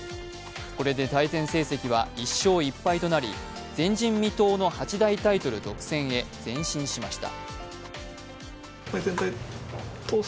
これで対戦成績は１勝１敗となり、前人未到の八大タイトル独占へ前進しました。